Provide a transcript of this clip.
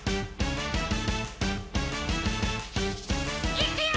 いくよ！